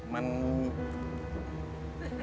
มันมี